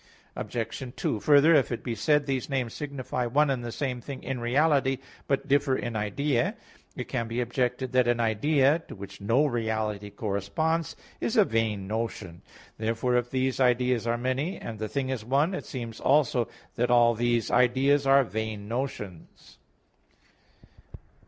Obj. 2: Further, if it be said these names signify one and the same thing in reality, but differ in idea, it can be objected that an idea to which no reality corresponds is a vain notion. Therefore if these ideas are many, and the thing is one, it seems also that all these ideas are vain notions.